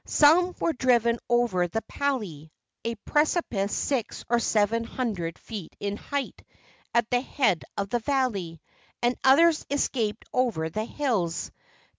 Some were driven over the pali, a precipice six or seven hundred feet in height at the head of the valley, and others escaped over the hills.